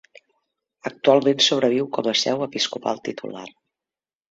Actualment sobreviu com a seu episcopal titular.